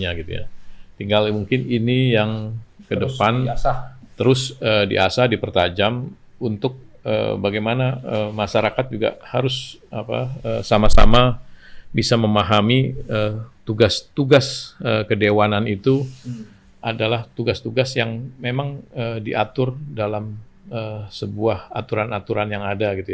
pada hak hak dirinya gitu ya tinggal mungkin ini yang ke depan terus di asah dipertajam untuk bagaimana masyarakat juga harus sama sama bisa memahami tugas tugas kedewanan itu adalah tugas tugas yang memang diatur dalam sebuah aturan aturan yang ada gitu ya